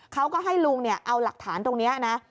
เขาก็ให้ลุงเอาหลักฐานตรงนี้นะ